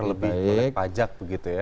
lebih melek pajak begitu ya